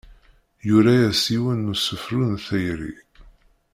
Yura-as yiwen n usefru n tayri.